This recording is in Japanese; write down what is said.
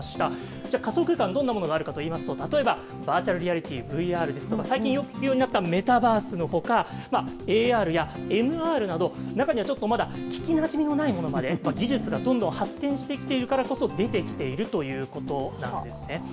では、仮想空間、どんなものがあるかといいますと、例えば、バーチャルリアリティ・ＶＲですとか、ＡＲやＭＲなど、中にはちょっとまだ聞きなじみのないものまで、技術がどんどん発展してきているからこそ、出てきているということなんですね。